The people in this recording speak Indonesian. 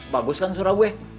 bagus kan surah gue